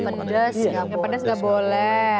yang pedas enggak boleh